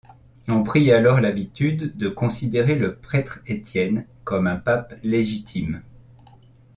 On prit alors l'habitude de considérer le prêtre Étienne comme un pape légitime.